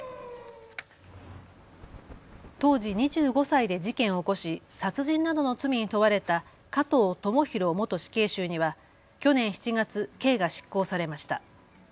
当時２５歳で事件を起こし殺人などの罪に問われた加藤智大元死刑囚には去年７月、刑が執行されました。